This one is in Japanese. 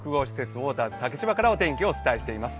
ウォーターズ竹芝からお伝えしています。